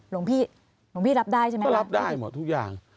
หลวงพี่หลวงพี่รับได้ใช่ไหมก็รับได้หมดทุกอย่าง